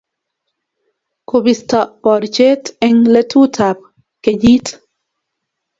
kobisto borchet eng' letutab kenyit.